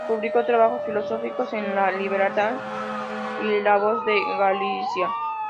Publicó trabajos filológicos en "El Liberal" y "La Voz de Galicia".